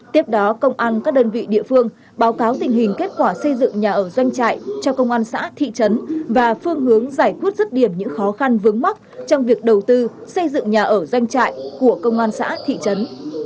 tiếp đó công an các đơn vị địa phương báo cáo tình hình kết quả xây dựng nhà ở doanh trại cho công an xã thị trấn và phương hướng giải quyết rứt điểm những khó khăn vướng mắt trong việc đầu tư xây dựng nhà ở doanh trại của công an xã thị trấn